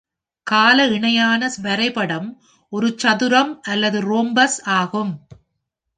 கால இணையான வரைபடம் ஒரு சதுரம் அல்லது ரோம்பஸ் ஆகும்.